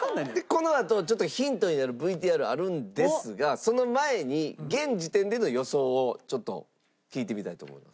このあとちょっとヒントになるＶＴＲあるんですがその前に現時点での予想をちょっと聞いてみたいと思います。